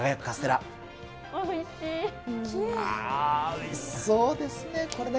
おいしそうですね、これね。